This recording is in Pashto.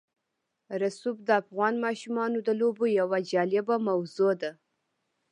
رسوب د افغان ماشومانو د لوبو یوه جالبه موضوع ده.